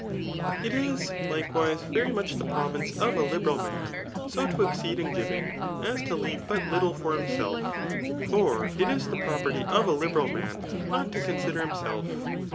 It is, likewise, very much the province of a liberal man, so to exceed in giving, as to leave but tittle for himself; for it is the property of a liberal man not to con ^der himself.